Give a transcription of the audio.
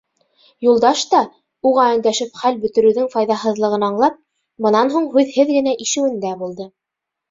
Юлдаш та, уға өндәшеп хәл бөтөрөүҙең файҙаһыҙлығын аңлап, бынан һуң һүҙһеҙ генә ишеүендә булды.